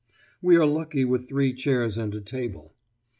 We are lucky with three chairs and a table.